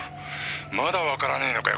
「まだわからねえのかよ